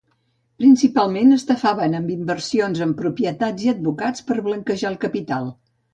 Principalment estafaven amb inversions en propietats i advocats per blanquejar el capital.